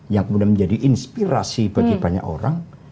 yang kemudian menjadi inspirasi bagi banyak orang